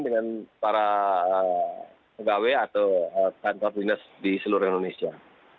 dengan para pegawai atau kantor dinas di seluruh indonesia